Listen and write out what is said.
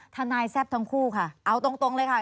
ทนายแซ่บทั้งคู่ค่ะเอาตรงเลยค่ะ